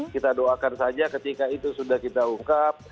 kita doakan saja ketika itu sudah kita ungkap